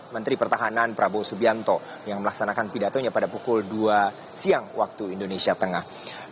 menteri pertahanan prabowo subianto yang melaksanakan pidatonya pada pukul dua siang waktu indonesia tengah